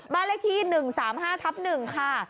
บ้านเลขที่๑๓๕ทับ๑ค่ะ